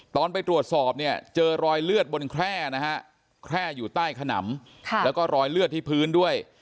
ไปตรวจสอบเนี่ยเจอรอยเลือดบนแคร่นะฮะแคร่อยู่ใต้ขนำแล้วก็รอยเลือดที่พื้นด้วย